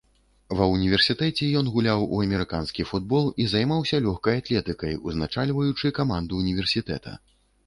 Ва ўніверсітэце ён гуляў у амерыканскі футбол і займаўся лёгкай атлетыкай, узначальваючы каманду ўніверсітэта.